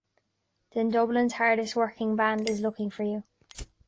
Then Dublin's hardest working band is looking for you.